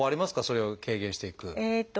それを軽減していく。